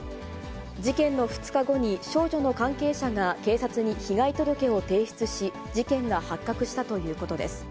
事件の２日後に、少女の関係者が警察に被害届を提出し、事件が発覚したということです。